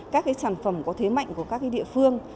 các sản phẩm có thế mạnh của các địa phương